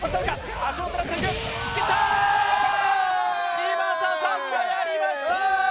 嶋佐さんがやりました。